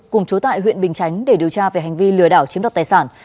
cùng chú tại huyện bình chánh để điều tra về hành vi lừa đảo chiếm đoạt tài sản